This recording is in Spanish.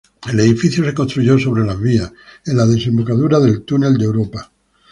El edificio se construyó sobre las vías, en la desembocadura del túnel de Europa.